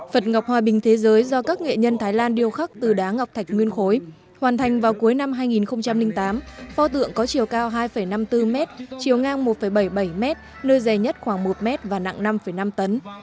phật ngọc hòa bình thế giới do các nghệ nhân thái lan điêu khắc từ đá ngọc thạch nguyên khối hoàn thành vào cuối năm hai nghìn tám pho tượng có chiều cao hai năm mươi bốn m chiều ngang một bảy mươi bảy m nơi dày nhất khoảng một m và nặng năm năm tấn